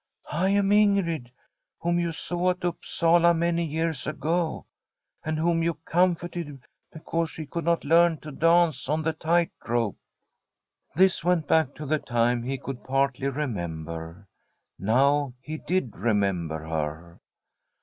* I am Ingrid, whom you saw at Upsala many years ago, and whom you comforted because she could not learn to dance on the tight rope.' This went back to the time he could partly re member. Now he did remember her.